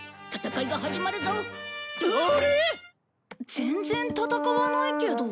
全然戦わないけど？